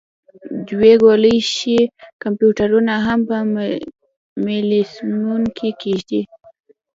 دوی کولی شي کمپیوټرونه هم په میلمستون کې کیږدي